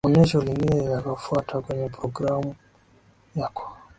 onesho lingine linalofuata kwenye progrmu yako